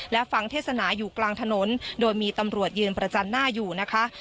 และฟังเทศนาอยู่กลางถนนโดยมีตำรวจยืนประจันหน้าอยู่นะคะ